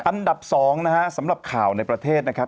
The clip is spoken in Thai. อันดับ๒นะฮะสำหรับข่าวในประเทศนะครับ